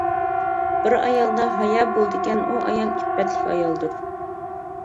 بىر ئايالدا ھايا بولىدىكەن، ئۇ ئايال ئىپپەتلىك ئايالدۇر.